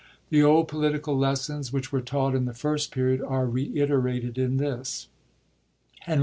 The old political lessons which were taught in the First Period are reiterated in this ; Henry IV.